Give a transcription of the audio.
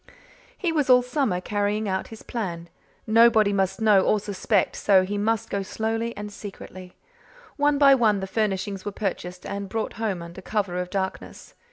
He was all summer carrying out his plan. Nobody must know or suspect, so he must go slowly and secretly. One by one the furnishings were purchased and brought home under cover of darkness.